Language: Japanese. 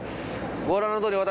ご覧のとおり私